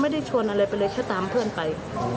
ชวนอะไรไปเลยแค่ตามเพื่อนไป